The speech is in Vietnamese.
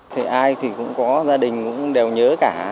thì ai thì cũng có gia đình cũng đều nhớ cả